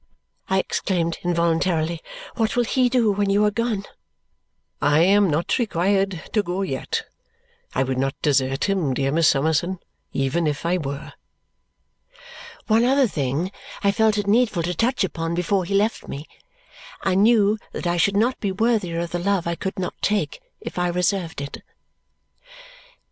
I exclaimed involuntarily, "What will he do when you are gone!" "I am not required to go yet; I would not desert him, dear Miss Summerson, even if I were." One other thing I felt it needful to touch upon before he left me. I knew that I should not be worthier of the love I could not take if I reserved it.